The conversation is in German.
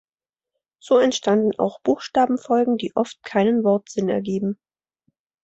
So entstanden auch Buchstabenfolgen, die oft keinen Wortsinn ergeben.